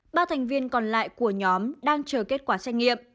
ba thành viên còn lại của nhóm đang chờ kết quả xét nghiệm